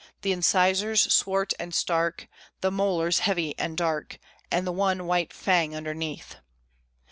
The incisors swart and stark, The molars heavy and dark And the one white Fang underneath!